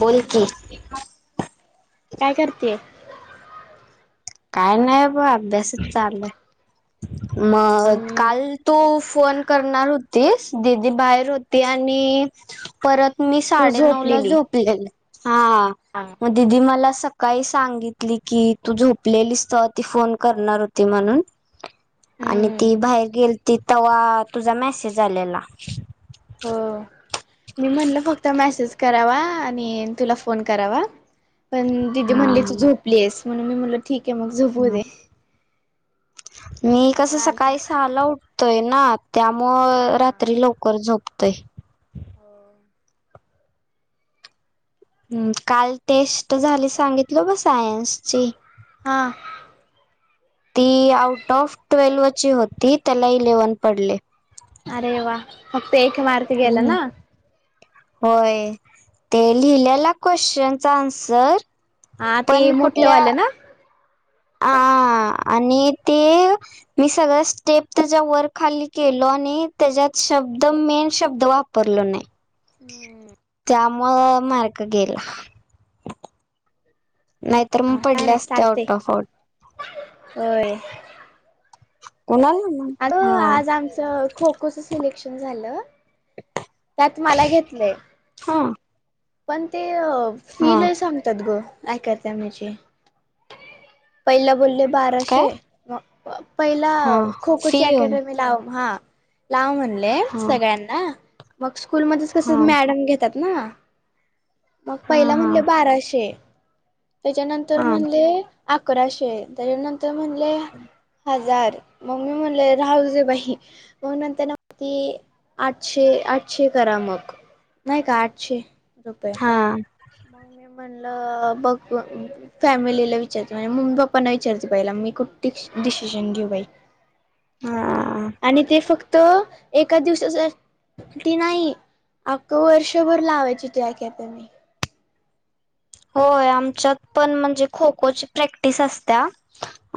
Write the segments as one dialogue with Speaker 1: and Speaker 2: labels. Speaker 1: बोलकी
Speaker 2: काय करतेय?
Speaker 1: काही नाही ब अभ्यासच चालु आहे. मग
Speaker 2: हम्म
Speaker 1: काल तू फोन करणार होतीस दिदी बाहेर होती आणि परत मी
Speaker 2: तू
Speaker 1: साडे नऊ ला
Speaker 2: झोपलेली.
Speaker 1: झोपलेले
Speaker 2: हा
Speaker 1: हां. दिदी मला सकाळी सांगितली की तु झोप झोपलेलीस तवा ती फोन करणार होती म्हणून आणि
Speaker 2: हम्म
Speaker 1: ती बाहेर गेलती तव्हा तुझा मेसेज आलेला
Speaker 2: हो. मी म्हणलं फक्त मेसेज करावा आणि तुला फोन करावा पण दिदी
Speaker 1: हा
Speaker 2: म्हणली तू झोपलेस म्हणून मी म्हंटल ठीक आहे मग झोपू दे‌.
Speaker 1: मी
Speaker 2: मग
Speaker 1: कसं
Speaker 2: आज
Speaker 1: सकाळी सहाला उठतोय ना त्यामुळं रात्री लवकर झोपतोय.
Speaker 2: हो.
Speaker 1: हं काल टेस्ट झाली सांगितलं का सायन्सची
Speaker 2: हां.
Speaker 1: ती आउट ऑफ ट्वेल्व्हची होती त्याला इलेव्हन पडले.
Speaker 2: अरे वा! फक्त एक मार्क गेला
Speaker 1: हम्म.
Speaker 2: ना.
Speaker 1: होय ते लिहिलेला क्वेश्चनचा आन्सर
Speaker 2: हां ते
Speaker 1: पण कुठल्या
Speaker 2: मोठेवाल ना.
Speaker 1: आ आ आणि ते मी सगळ स्टेप त्याच्या वर खाली केलो आणि त्याच्यात शब्द मेन शब्द वाप परलं नाही
Speaker 2: हम्म.
Speaker 1: त्यामुळ मार्क गेला. नाहीतर म पडले असते आउट ऑफ फोर.
Speaker 2: व्हय.
Speaker 1: [unintelligible]
Speaker 2: आलो,
Speaker 1: हा
Speaker 2: आज आमचं खो खोचं सिलेक्शन झालं. त्यात मला घेतलय.
Speaker 1: हां.
Speaker 2: पण ते फी लय सांगतात ग. काय करताय म्हजे पहिला बोलले
Speaker 1: काय
Speaker 2: बाराशे, पहिला
Speaker 1: हा
Speaker 2: खो
Speaker 1: फी
Speaker 2: खोची अकॅडमी लाव. हां. लाव म्हणले
Speaker 1: हा
Speaker 2: सगळ्यांना, मग स्कूलमध्येच कस
Speaker 1: हा
Speaker 2: मॅडम घेत्यात ना
Speaker 1: हा
Speaker 2: पहिला
Speaker 1: हा
Speaker 2: म्हणले बाराशे, त्याच्यानंतर
Speaker 1: हा
Speaker 2: म्हणले अकराशे, त्याच्या नंतर म्हणले हजार मग मी म्हणले राहू दे बाई मग नंतरन ती आठशे आठशे करा मग, नाही का आठशे [unintelligible]
Speaker 1: हां.
Speaker 2: मी म्हणलं बघ. फॅमिलीला विचारत नाही. मूम्म पप्पाना विचारते पहिला, मी कुठ डिसिजन घेऊ बाई.
Speaker 1: हा
Speaker 2: आणि ते फक्त एका दिवसाच ती नाही. अख्ख वर्षभर लावायची ती अकॅडमी.
Speaker 1: होय आमच्यात पण म्हणजे खो खोची प्रॅक्टिस असत्या,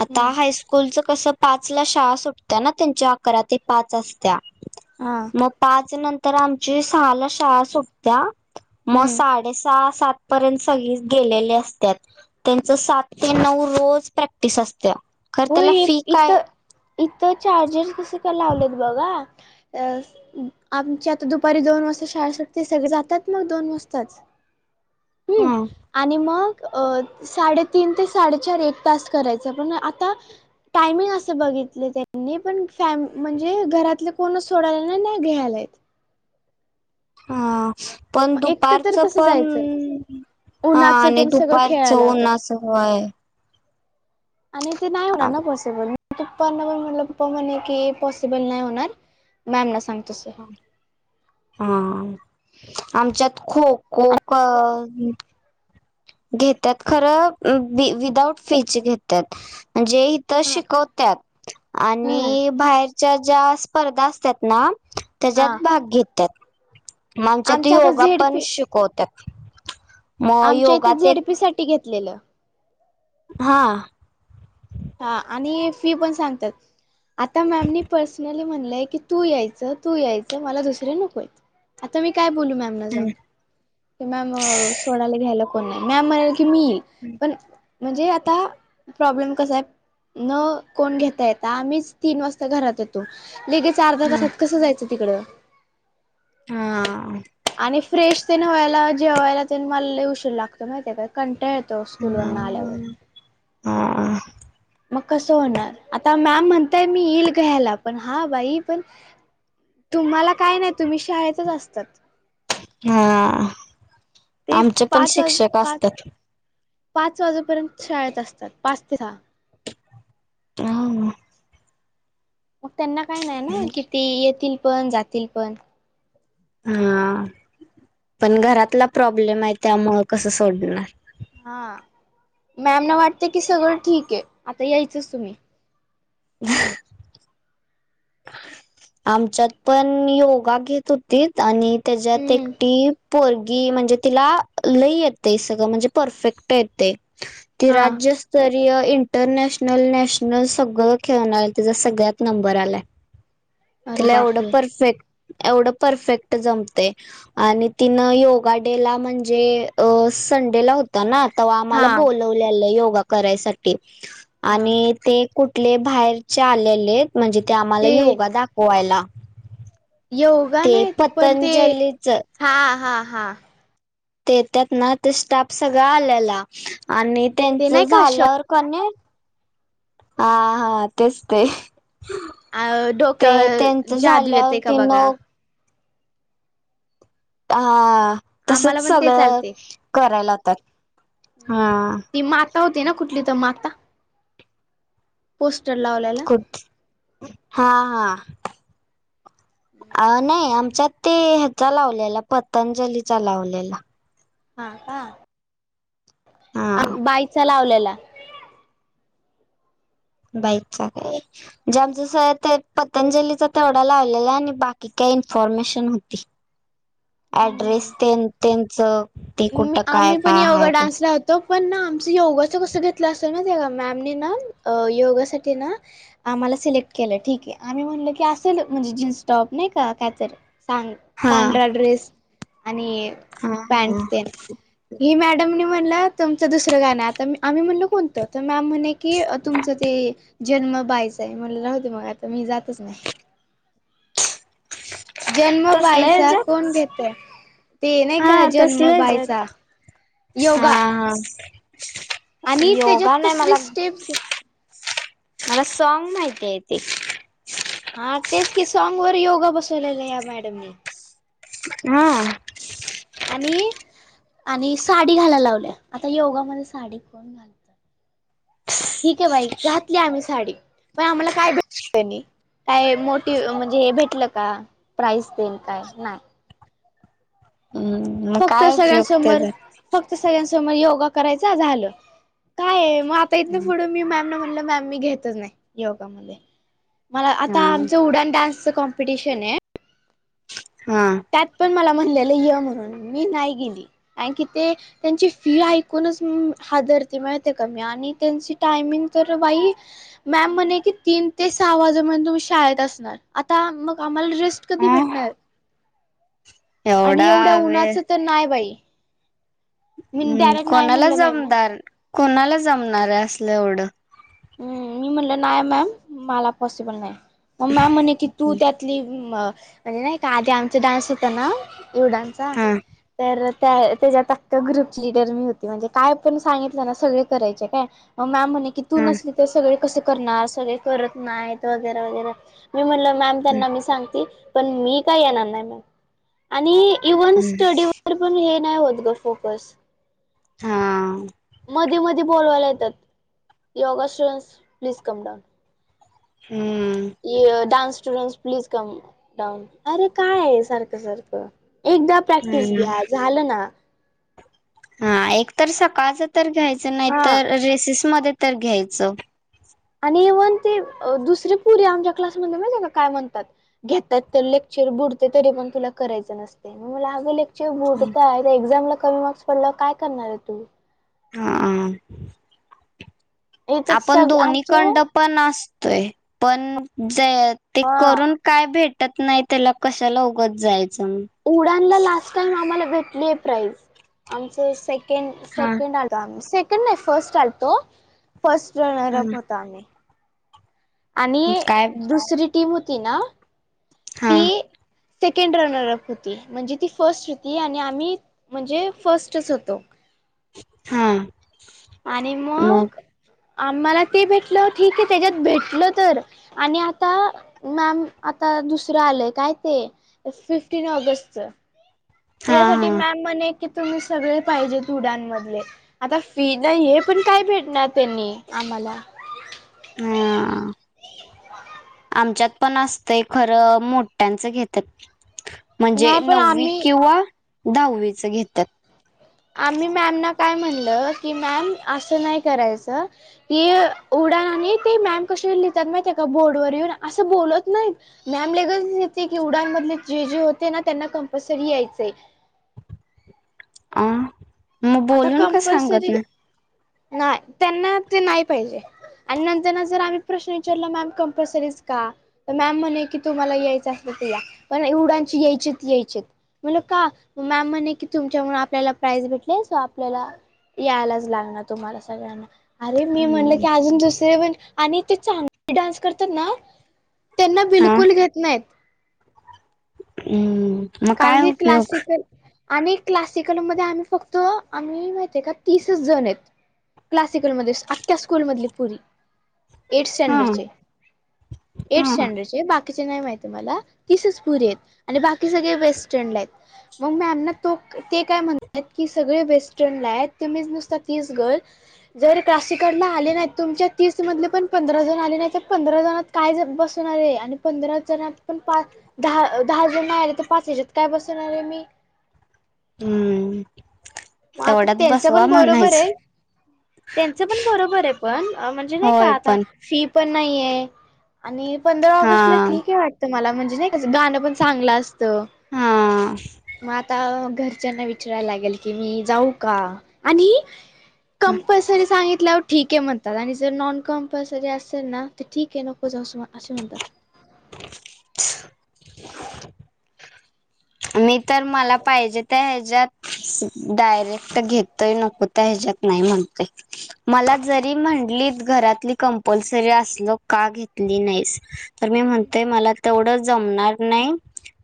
Speaker 1: आता हायस्कू स्कूलचं कसं पाचला शाळा सुटत्या ना त्यांच्या अकरा ते पाच असत्या.
Speaker 2: हा
Speaker 1: मग पाच नंतर आमची सहाला शाळा सुटत्या. मग
Speaker 2: हम्म
Speaker 1: साडे सहा, सात पर्यंत सगळी गेलेले असत्यात, त्यांच सात ते नऊ रोज प्रॅक्टिस असत्या. खर
Speaker 2: हो
Speaker 1: त्याला
Speaker 2: हे
Speaker 1: फी काय
Speaker 2: इथं इथं चार्जर स कसं काय लावलेत बघा अ आमची आता दुपारी दोन वाजता शाळसाठी ते सगळे जातात मग दोन वाजताच हुम्म
Speaker 1: ह
Speaker 2: आणि मग अ साडेतीन ते साडेचार एक तास करायचा पण आता टायमिंग असे बघितले त्यांनी पण फॅम म्हणजे घरातले कोण सोडायला ना नाही घ्यायलात
Speaker 1: हा पण
Speaker 2: मग एकटं तर
Speaker 1: दुपारचं
Speaker 2: कसं
Speaker 1: पण
Speaker 2: जायचंय
Speaker 1: हा
Speaker 2: उन्हाचं
Speaker 1: आणि
Speaker 2: त्यानी सगळं
Speaker 1: दुपार
Speaker 2: खेळायला
Speaker 1: उन्हाच
Speaker 2: लावतात.
Speaker 1: पण असंय
Speaker 2: आणि ते नाही होणार ना पॉसिबल पप्पाना पण म्हटलं पप्पा म्हणे की पॉसिबल नाही होणार मॅम ना सांग तोस
Speaker 1: हा आमच्यात खो खो घेतात खरं विदाउट फीची घेतात म्हणजे तर
Speaker 2: हा का?
Speaker 1: शिकवतात
Speaker 2: हम्म
Speaker 1: आणि बाहेरच्या ज्या स्पर्धा असतात ना त्याच्यात
Speaker 2: हा
Speaker 1: भाग घेतात मग आमच्यात
Speaker 2: आमच्या आता
Speaker 1: योगा पण
Speaker 2: झेडपी
Speaker 1: श शिकवत्यात मग योगा
Speaker 2: जेडीपी साठी घेतलेलं
Speaker 1: हा
Speaker 2: हा आणि फी पण सांगतात आता मॅमनी पर्सनली म्हणलंय की तू यायचं तू यायचं मला दुसरे नकोयच आता मी काय बोलू मॅम मॅ सोडला घ्यायला कोण नाही मॅम म्हणाल की मी येईल
Speaker 1: हम्
Speaker 2: पण म्हणजे आता प्रॉब्लेम कसा आहे न कोण घेता यता आम्हीच तीन वाजता घरात येतो लगे अर्धा
Speaker 1: हा
Speaker 2: तासात कसं जायचं तिकडं
Speaker 1: हा
Speaker 2: आणि फ्रेश तेन व्हायला जेवायला ते मलले उशीर लागतो माहिती का कंटा य तो स्कूलून न आलेवर
Speaker 1: ह
Speaker 2: मग कस होणार आता मॅम म्हणताय मी येईल घ्यायला पण हा बाई पण तुम्हाला काय नाही तुम्ही शाळेतच असतात
Speaker 1: हा
Speaker 2: ते
Speaker 1: आमचे पण
Speaker 2: पाच वाज
Speaker 1: शिक्षक
Speaker 2: पाच
Speaker 1: असतात
Speaker 2: पाच वाजेपर्यंत शाळेत असतात पाच ते सहा
Speaker 1: हा
Speaker 2: मग त्यांना काही नाही ना कि ते येतील पण जातील पण
Speaker 1: हा पण घरातला प्रॉब्लेम आहे त्यामुळ कसं सोडणार
Speaker 2: हा मॅमना वाटते की सगळं ठीक आहे आता यायचंच तुम्ही
Speaker 1: ह आमच्यात पण योगा घेत होती आणि त्याच्यात
Speaker 2: हम्म
Speaker 1: एकटी पोरगी म्हणजे तिला लय येते सगळं म्हणजे परफेक्ट येते ते
Speaker 2: हा
Speaker 1: राज्य स्तरीय इंटरनॅशनल नॅशनल सगळं खेळणार त्याचा सगळ्यात नंबर आलाय
Speaker 2: अरे
Speaker 1: तिला एवढं
Speaker 2: बापरे
Speaker 1: परफेक्ट एवढं परफेक्ट जमतंय आणि तिनं योगा डे ला म्हणजे अ संडेला हो ना तेव्हा आम्हाला
Speaker 2: हा
Speaker 1: बोलवलेलं योगा करायसाठी
Speaker 2: हा
Speaker 1: आणि ते कुठले बाहेरचे आलेलेत म्हणजे ते आम्हाला योगा दाखवायला
Speaker 2: योगा
Speaker 1: ते
Speaker 2: नाही तू पण ते
Speaker 1: पतंजलीच
Speaker 2: हा हा हा
Speaker 1: तेे येतात ना ते स्टाफ सगळा आलेला आणि
Speaker 2: ते
Speaker 1: त्यांच
Speaker 2: नाही का श
Speaker 1: झाल्यावर कनी हा हा तेच ते ते
Speaker 2: डोक्यावर
Speaker 1: त्यांच
Speaker 2: जादू येते का
Speaker 1: झाल्यावरती न
Speaker 2: बघा
Speaker 1: हा तसंच
Speaker 2: आम्हाला पण ते
Speaker 1: सगळं
Speaker 2: चालते
Speaker 1: करायला लावतात हा
Speaker 2: ती माता होती ना कुठली तर माता. पोस्टर लावला.
Speaker 1: हा हा. अ नाही आमच्यात ते ह्याचा लावलेला पतंजली चा लावलेला
Speaker 2: हा का
Speaker 1: हा
Speaker 2: बाईकचा लावलेला.
Speaker 1: बाईचा काय. जे आमचं स पतंजलीचा तेवढा लावलेला आहे आणि बाकी काही इन्फॉर्मेशन होती.
Speaker 2: [unintelligible]
Speaker 1: ऍड्रेस तेन त्यांचं. ते
Speaker 2: मी
Speaker 1: कुठं काय
Speaker 2: आम्ही पण
Speaker 1: काय हाय
Speaker 2: योगा
Speaker 1: ते
Speaker 2: डान्सला ह होत. तो पण ना आमचं योगाचं कसं घेतलं असेल माहितीये का मॅमने ना योगासाठी ना. आम्हाला सिलेक्ट केलं ठीक आहे आम्ही म्हणलं की असेल म्हणजे जीन्स टॉप नाही का कायतरी. सां
Speaker 1: हा
Speaker 2: पांढरा ड्रेस आणि
Speaker 1: हा हा
Speaker 2: पॅंट. हे मॅडमनी म्हणलं तुमचं दुसरं गाणं आता आम्ही म्हणलो कोणतं. तर मॅम म्हणे कि तुमचं ते. जन्म बायचा आहे मला राहते मग आता मी जातच नाही.
Speaker 1: [unintelligible]
Speaker 2: जन्म
Speaker 1: तसल्या
Speaker 2: बाईचा
Speaker 1: हेज्यात
Speaker 2: कोण घेतं ते नाही
Speaker 1: हा
Speaker 2: का जन्म
Speaker 1: तसल्या
Speaker 2: बाईचा.
Speaker 1: हेज्यात हा हा
Speaker 2: आणि
Speaker 1: योगा
Speaker 2: त्याच्यात
Speaker 1: नाही
Speaker 2: कसली
Speaker 1: मला.
Speaker 2: स्टेप्स घेत
Speaker 1: मला सॉंग माहिती आहे ते.
Speaker 2: हा तेच की सॉंग वर योगा बसवलेला या मॅडमने.
Speaker 1: हम.
Speaker 2: आणि आणि साडी घालायला लावली आता योगामध्ये साडी कोण. ठीक आहे बाई घातली आम्ही साडी पण आम्हाला काय भेट त्यांनी. काय मोटिव म्हणजे हे भेटलं का प्राईस येन काय नाही.
Speaker 1: हम.
Speaker 2: फक्त सगळ्यांसमोर. फक्त सगळ्यांसमोर योगा करायचा झालं काय मग आ इथून पुढं मी मॅम ना म्हणलं मॅम मी घेतच नाही योगामध्ये. मला आता
Speaker 1: हा
Speaker 2: आमचं उडान डान्सचं कॉम्पिटिशन आहे.
Speaker 1: हा.
Speaker 2: त्यात पण मला म्हणलेलं ये म्हणून मी नाही गेली आणखी ते. त्यांची फी ऐकूनच हादरते माहितीये का मी आणि त्यांची टायमिंग तर बाई. मॅम म्हणे की तीन ते सहा वाजेपर्यंत तुम्ही शाळेत असणार आता मग. आम्हाला रेस्ट कधी
Speaker 1: हा
Speaker 2: भेटणार. आणि
Speaker 1: एवढा
Speaker 2: एवढ्या
Speaker 1: वेळ
Speaker 2: उन्हाचं तर नाही बाई. मी
Speaker 1: हम्म
Speaker 2: डायरेक्ट नाही
Speaker 1: कोणाला
Speaker 2: म्हणलं मॅम ना
Speaker 1: जमणार कोणाला जमणार आहे असूलं एवढं.
Speaker 2: ह मी म्हणलं नाही मॅम मला पॉसिबल नाही मग मॅम म्हणे की तू त्या. म्हणजे नाही का आधी आमचा डान्स होता ना. योगांचा
Speaker 1: हा
Speaker 2: तर त्या त्याच्यात आता. ग्रुपची लिडर मी होती म्हणजे काय पण सांगितलं ना सगळे करायचे काय मग मॅम म्हणे की तू
Speaker 1: हा
Speaker 2: नस. सग कस करणार सगळे करत नाहीत वगैरे वगरे मी म्हण. मी सांग पण मी का येणार नाही म आणि इव्ह स.
Speaker 1: हम्म
Speaker 2: पण हे नाही होत गं फोकस.
Speaker 1: हा.
Speaker 2: मध्ये मध्ये बोलवायला येतात yoga students please come down.
Speaker 1: हम्म.
Speaker 2: यडान्स स्टूडं्स प्लीज कम. डन अरे काय आहे सारखं सारखं एकदा प्रॅक्टिस
Speaker 1: हम्म
Speaker 2: घ्या झालं ना
Speaker 1: हा एक तर सकाळचं तर घ्यायचं नाही
Speaker 2: हा
Speaker 1: तर रेसिस मध्ये तर घ्यायचं
Speaker 2: आणि इव्हन ते दुसरे पुरी आमच्या क्लासमध्ये माहितीये का काय म्हणतात. घेतात तर लेक्चर बुडते तरी पण तुला करायचं नसते मग मला अगं लेक. बुडतायत एक्झाम ला कमी मार्क्स पडला काय करणार आहे तूम्ही
Speaker 1: हा
Speaker 2: इथं
Speaker 1: आपण
Speaker 2: सग
Speaker 1: दोन्ही
Speaker 2: आमच्या
Speaker 1: कंड पण असतोय पण ज ते
Speaker 2: हा
Speaker 1: करून काय भेटत नाही त्याला कशाला उगाच जायचं मग
Speaker 2: उड लास्ट टाइम आम्हाला भेटली आहे प्राईज आमचे सेकंड
Speaker 1: हा
Speaker 2: सेकंड हो सेकड नाही फर्स्ट आलतो फर्ट रनर अप
Speaker 1: हा.
Speaker 2: होताम आणि
Speaker 1: काय
Speaker 2: दुसरी टीम होती ना
Speaker 1: हा
Speaker 2: ती सेकंड रनर अप होती म्हणजे ती फर्स्ट होती आणि आम्ही म्हणजे फस्टच होतो
Speaker 1: हम्
Speaker 2: आणि मग आम्हाला ते भेटलं ठीक आहे त्याच्यात भेटल तर आणि आता मॅम आता दुसरं आलंय काय ते फिफ्टीन ऑगस्ट
Speaker 1: हा
Speaker 2: त्यासाठी
Speaker 1: हा
Speaker 2: मॅम म्हणे की तुम्ही सगळे पाहिजे ुडांमधले आता फी नाही हे पण काय भेटणार त्यांनी आम्हाला
Speaker 1: हा.
Speaker 2: [unintelligible]
Speaker 1: आमच्यात पण असत खरं मोठ्यांचं घेतात म्हणजे
Speaker 2: नाही पण
Speaker 1: नववी
Speaker 2: आम्ही
Speaker 1: किंवा दहावीच घेतात
Speaker 2: आम्ही मॅमना काय म्हणलं की मॅम असं नाही करायचं त उडाणार आणि ते मॅम कशी लिहितात नाही त्या बोर्डवरर येऊन असं बोलत नाही मॅम ललेगतच येते की उडांमधले जे जे होते ना त्यांना कंपल्सरी यायचंय
Speaker 1: अ मग
Speaker 2: आता
Speaker 1: बोलून का सांगत
Speaker 2: कंपल्सरी
Speaker 1: ना
Speaker 2: नाही त्यांना ते नाही पाहिजे आणि नंतर जर आम्ही प्रश्न विचारला मॅम कंपल्सरीच का तर मॅम म्हणे की तुम्हाला यायचं असल तर या पण एवडांची यायचे यायचे म्हण का मॅम म्हणणे की तुमच्यामुळेून आपल्याला प्राईज भेट सो आपल्याला यायलाच लागणार तुम्हाला सगळ्यांना अरे मी म्हणल
Speaker 1: हम्म
Speaker 2: की अजून दुसरे पण आणि ते चांगले डान्स करतात ना त्यांना
Speaker 1: हा
Speaker 2: बिलकुल घेत नाहीत
Speaker 1: हम्म मग
Speaker 2: कारण
Speaker 1: काय
Speaker 2: की
Speaker 1: उपयोग.
Speaker 2: क्लासिकल आणि क्लासिकलमध्येध्ये आम्ही फक्त आम्ही माहित आहे का तीसच जण आहेत क्लासिकलमध्येध्ये अख्ख्या स्कूलमधली पुरी एथ
Speaker 1: हा
Speaker 2: स्टँडरचे एथ
Speaker 1: हा
Speaker 2: स्टँडरचे बाकी बा नाही माहिती मला तीसच पुरी आहेत आणि बाकी सगळे वेस्टर्न आहेत मग मी आमना तो ते काय म्हणतात की सगळे वेस्टर्न ला आहेत ते मी नुसत तीच गल जर क्लासिकडन आले नाही तुमच्या तीस मधले पण पंधरा जण आले नाही तर पंधरा जण काय बसणार आहे आणि पंधरा जण पण पा दहा दहा जण आले तर पाच ह्याच्यात काय बसवणार आहे मी
Speaker 1: हम्म
Speaker 2: मग आता
Speaker 1: तेवढ्यात
Speaker 2: त्यांच
Speaker 1: बसवा
Speaker 2: पण बरोबर
Speaker 1: म्हणायचं
Speaker 2: आहे. त्यांच पण बरोबर आहे पण म्हणजे नाही का
Speaker 1: होय
Speaker 2: आता
Speaker 1: पण
Speaker 2: फी पण नाहीये आणि पंधरा
Speaker 1: हा
Speaker 2: ऑगस्ट ला ठीक आहे वाट- -त मला म्हणजे नाही कसं गाणं पण चांगलं असतं.
Speaker 1: हा
Speaker 2: मग आता घरच्यांना विचारायला लागेल की मी जाऊ का आणि कंपल्सरी सांगितल्या ठीक आहे म्हणतात आणि जर नॉन कमपलसरी असेल ना तर ठीक आहे नको जाऊ असं असे म्हणतात.
Speaker 1: [unintelligible] मी तर मला पाहिजे त्या ह्याच्यात डायरेक्ट घेतय नको तर ह्याच्यात नाही म्हणतय मला जरी म्हटली घरातली कंपल्सरी असल का घेतली नाहीस तर मी म्हणतेय मला तेवढं जमणार नाही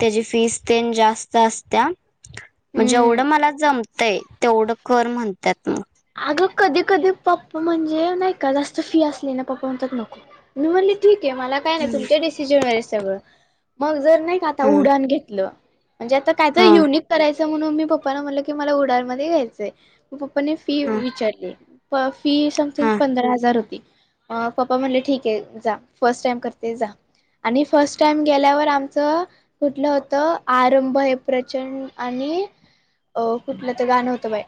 Speaker 1: त्याची फीस तेन जास्त असत्या म्हण
Speaker 2: हम्म
Speaker 1: जेवढं मला जमत ते तेवढं कर म्हणतात मग
Speaker 2: अग कधी कधी पप्पा म्हणजे नाही का जास्त फी असली ना पप्पा म्हणतात नको. मी म्हणले ठीक आहे मला काय नाही तुमच्या डिसिजन वर सगळं मग जर नाही का आता
Speaker 1: हा
Speaker 2: उडाण घेतलं म्हणजे आता काय तर
Speaker 1: हा
Speaker 2: युनिक करायचं म्हणून मी पप्पाना म्हटलं की मला उडाणमध्ये घ्यायचं मग पप्पानी फी
Speaker 1: हा
Speaker 2: विचारली प फी समथिंग
Speaker 1: हा
Speaker 2: पंधरा हजार होती. अ पप्पा म्हणले ठीक आहे जा फर्स्ट टाइम करते जा. आणि फर्स्ट टाइम गेल्यावर आमचं कुठलं होतं आरंभ हे प्रचंड आणि अ कुठलं तर गाणं होतं बाई